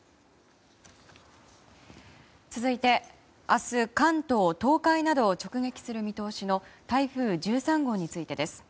続いて、明日関東・東海などを直撃する見通しの台風１３号についてです。